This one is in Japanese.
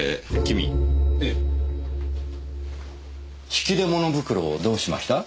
引き出物袋をどうしました？